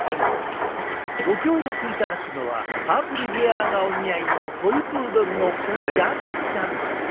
ご協力いただくのはパープルヘアーがお似合いのトイプードルのジャズちゃん。